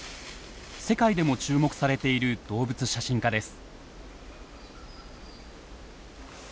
世界でも注目されている動物写真家です。